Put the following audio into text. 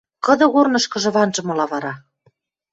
Кыды корнышкыжы ванжымыла вара?